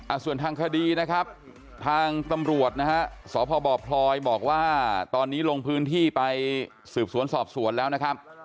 ส่วนทางคดีนะครับทางตำรวจนะฮะสพบพลอยบอกว่าตอนนี้ลงพื้นที่ไปสืบสวนสอบสวนแล้วนะครับ